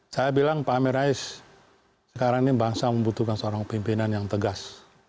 saya bilang pak amin rais sekarang ini bangsa membutuhkan seorang pimpinan yang tegas